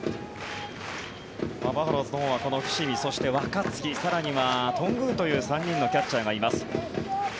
バファローズのほうはこの伏見そして若月、更には頓宮という３人のキャッチャーがいます。